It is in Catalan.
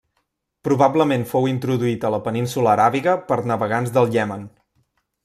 Probablement fou introduït a la península Aràbiga per navegants del Iemen.